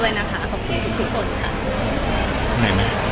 อย่างไรก็ได้หมด